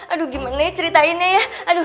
aduh gimana ya ceritainnya ya